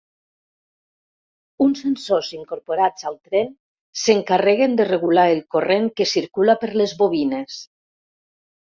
Uns sensors incorporats al tren, s'encarreguen de regular el corrent que circula per les bobines.